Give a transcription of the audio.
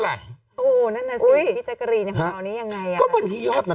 กล้องกว้างอย่างเดียว